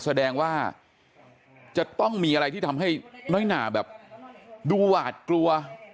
แสดงว่าจะต้องมีอะไรที่ทำให้น้อยหนาแบบดูหวาดกลัว